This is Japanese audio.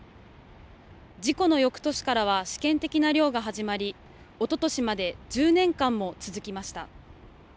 事故のよくとしからは試験的な漁が始まり、おととしまで１０年間も続きました。